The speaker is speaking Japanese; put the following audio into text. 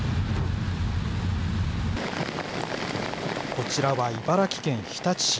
こちらは茨城県日立市。